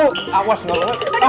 putri jangan kamu larut opo sayang